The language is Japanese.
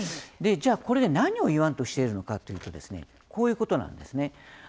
じゃあ、これで何を言わんとしているのかというとこういうことなんですね。